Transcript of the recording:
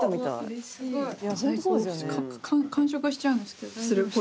完食しちゃうんですけど。